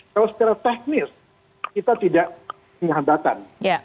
kalau secara teknis kita tidak punya hambatan